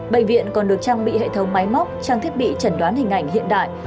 bệnh viện còn được trang bị hệ thống máy móc trang thiết bị chẩn đoán hình ảnh hiện đại